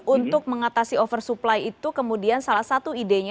untuk mengatasi oversupply itu kemudian salah satu idenya